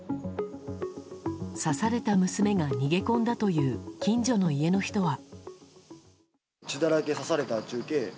刺された娘が逃げ込んだという近所の家の人は。